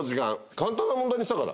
簡単な問題にしたから。